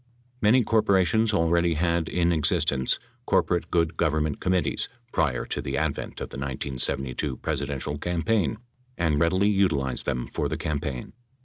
Many corporations already had in existence corporate good govern ment committees prior to the advent of the 1972 Presidential campaign and readily utilized them for the campaign.